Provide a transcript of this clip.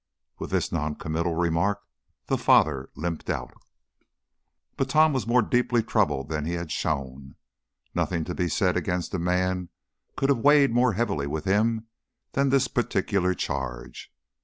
With this noncommittal remark the father limped out. But Tom was more deeply troubled than he had shown. Nothing to be said against a man could have weighed more heavily with him than this particular charge.